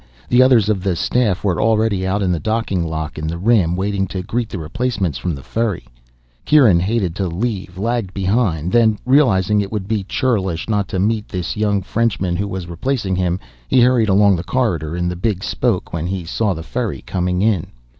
The others of the staff were already out in the docking lock in the rim, waiting to greet the replacements from the ferry. Kieran, hating to leave, lagged behind. Then, realizing it would be churlish not to meet this young Frenchman who was replacing him, he hurried along the corridor in the big spoke when he saw the ferry coming in.